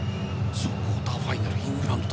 クォーターファイナルイングランド対